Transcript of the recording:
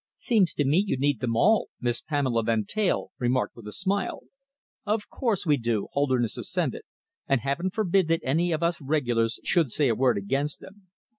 "Seems to me you need them all," Miss Pamela Van Teyl remarked with a smile. "Of course we do," Holderness assented, "and Heaven forbid that any of us Regulars should say a word against them.